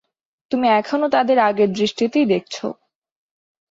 তুমি এখনও তাদের আগের দৃষ্টিতেই দেখছ।